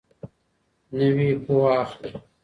نوي پوهي اخلي